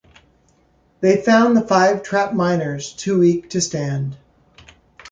They found the five trapped miners too weak to stand.